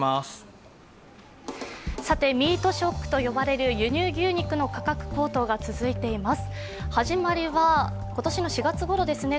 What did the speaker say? ミートショックと呼ばれる輸入牛肉の価格高騰が続いています。